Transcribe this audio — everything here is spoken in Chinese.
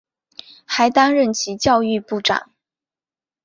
还担任其教育部长。